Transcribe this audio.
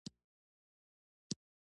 چارمغز د بدن اضافي تودوخه کموي.